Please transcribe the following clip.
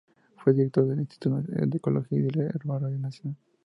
Fue directora del "Instituto de Ecología" y del "Herbario Nacional".